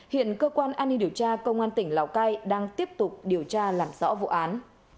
hiện cơ quan an ninh điều tra công an tỉnh lào cai đang tiếp tục điều tra làm rõ vụ án